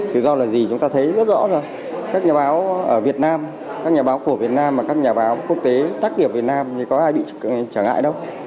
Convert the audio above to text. tự do là gì chúng ta thấy rất rõ rồi các nhà báo ở việt nam các nhà báo của việt nam và các nhà báo quốc tế tác nghiệp việt nam thì có ai bị trở ngại đâu